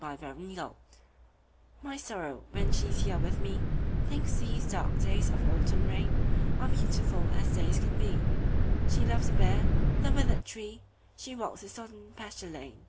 My November Guest MY Sorrow, when she's here with me, Thinks these dark days of autumn rainAre beautiful as days can be; She loves the bare, the withered tree; She walks the sodden pasture lane.